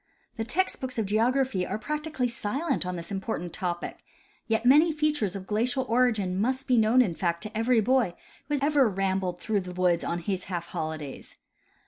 The text books of geography are practically silent on this important topic ; yet many features of glacial origin must be known in fact to every boy who has rambled through the woods on his half holidays.